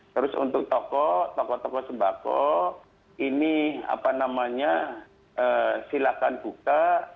terus untuk toko toko toko sembako ini apa namanya silakan buka